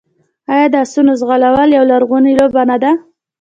آیا د اسونو ځغلول یوه لرغونې لوبه نه ده؟